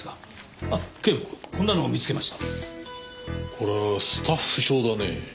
これはスタッフ証だね。